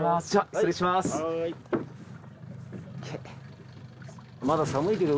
失礼します。